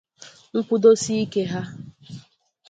nkwụdosiike ha